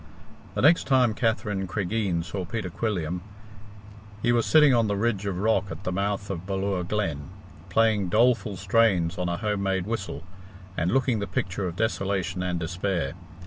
The next time Katherine Cregeen saw Peter Quilliam, he was sitting on the ridge of rock at the mouth of Ballure Glen, playing doleful strains on a home made whistle, and looking the picture of desolation and despair.